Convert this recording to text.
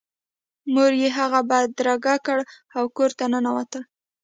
مور یې هغه بدرګه کړ او کور ته ننوتل